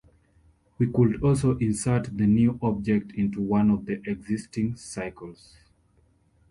We could also insert the new object into one of the existing cycles.